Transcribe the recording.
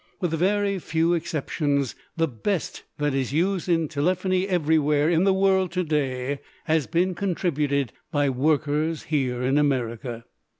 With very few exceptions, the best that is used in telephony everywhere in the world to day has been contributed by workers here in America.